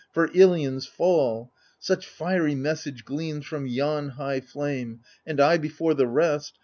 For I lion's fall ; such fiery message gleams From yon high fiame ; and I, before the rest.